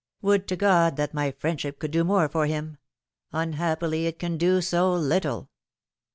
" Would to God that my friendship could do more for him ! Unhappily it can do so little."